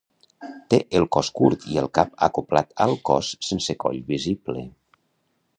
Té el cos curt i el cap acoblat al cos sense coll visible.